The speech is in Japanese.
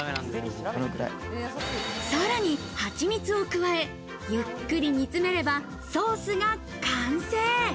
さらにハチミツを加え、ゆっくり煮詰めればソースが完成。